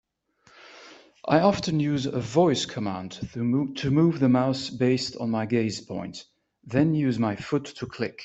I often use a voice command to move the mouse based on my gaze point, then use my foot to click.